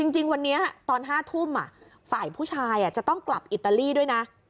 จริงวันนี้ตอน๕ทุ่มฝ่ายผู้ชายจะต้องกลับอิตาลีด้วยนะ